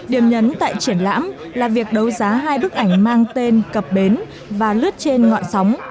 điểm nhấn tại triển lãm là việc đấu giá hai bức ảnh mang tên cập bến và lướt trên ngọn sóng